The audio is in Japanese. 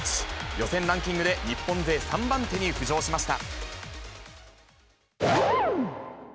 予選ランキングで日本勢３番手に浮上しました。